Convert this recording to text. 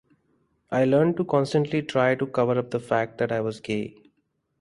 I learned to constantly try to cover up the fact that I was gay.